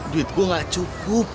duit gua gak cukup